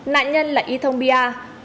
nạn nhân là y thông bia